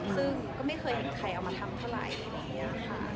ซึ่งก็ไม่เคยเห็นใครเอามาทำเท่าไหร่อะไรอย่างนี้ค่ะ